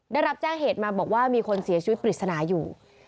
ได้รับแจ้งเหตุมาบอกว่ามีคนเสียชีวิตปริศนาอยู่